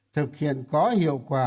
thực hiện có hiệu quả